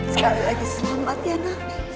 sekali lagi selamat ya nak